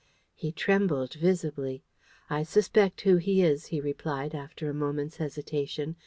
He trembled visibly. "I suspect who he is," he replied, after a moment's hesitation.